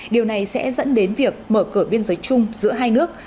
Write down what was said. điều này sẽ dẫn đến việc mở cửa biên giới chung giữa hai nước